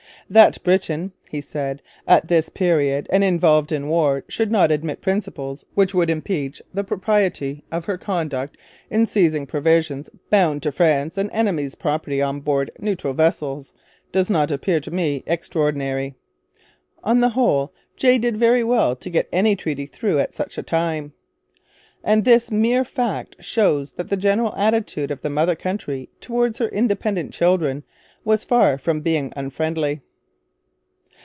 'That Britain,' he said, 'at this period, and involved in war, should not admit principles which would impeach the propriety of her conduct in seizing provisions bound to France, and enemy's property on board neutral vessels, does not appear to me extraordinary.' On the whole, Jay did very well to get any treaty through at such a time; and this mere fact shows that the general attitude of the mother country towards her independent children was far from being unfriendly.